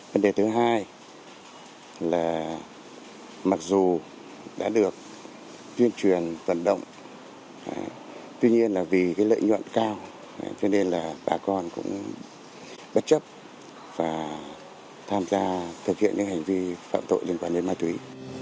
vấn đề thứ hai là mặc dù đã được tuyên truyền vận động tuy nhiên là vì lợi nhuận cao cho nên là bà con cũng bất chấp và tham gia thực hiện những hành vi phạm tội liên quan đến ma túy